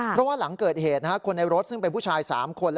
เพราะว่าหลังเกิดเหตุคนในรถซึ่งเป็นผู้ชาย๓คน